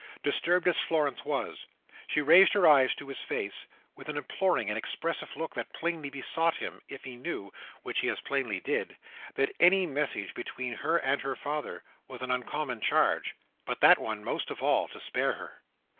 Disturbed as Florence was, she raised her eyes to his face with an imploring and expressive look, that plainly besought him, if he knew—which he as plainly did—that any message between her and her father was an uncommon charge, but that one most of all, to spare her.